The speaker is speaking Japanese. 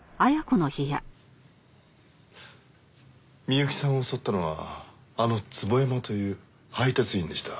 美由紀さんを襲ったのはあの坪山という配達員でした。